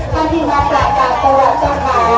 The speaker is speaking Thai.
ข้างที่มาตลาดจากตัวเจ้าขา